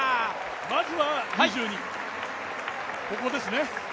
まずは２２、ここですね。